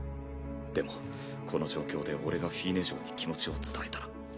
でもこの状況で俺がフィーネ嬢に気持ちを伝えたら。